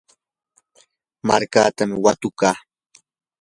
markatam watukuu.